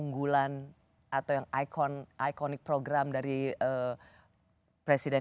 mengalami kita pernah kan ada ikan isaac pisang hai minumnya kami kita sem pilih arti unpleasant yang